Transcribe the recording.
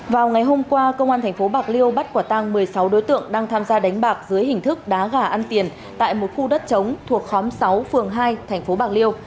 vào ngày hôm qua công an tp bạc liêu bắt quả tăng một mươi sáu đối tượng đang tham gia đánh bạc dưới hình thức đá gà ăn tiền tại một khu đất chống thuộc khóm sáu phường hai thành phố bạc liêu